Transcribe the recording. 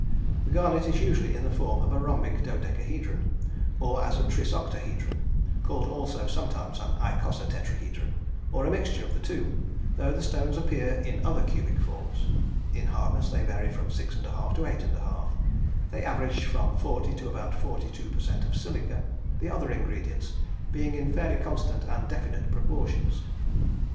The garnet is usually in the form of a rhombic dodecahedron, or as a trisoctahedron (called also sometimes an icosatetrahedron), or a mixture of the two, though the stones appear in other cubic forms. In hardness they vary from 6 1/2 to 8 1/2. They average from 40 to about 42 per cent. of silica, the other ingredients being in fairly constant and definite proportions.